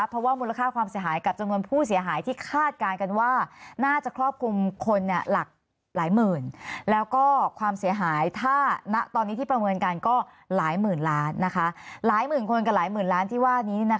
เพราะว่ามูลค่าความเสียหายกับจำนวนผู้เสียหายที่คาดการณ์กันว่า